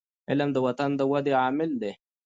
علم د وطن د ودي عامل دی.